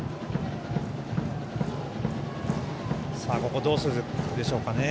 ここどうするでしょうか。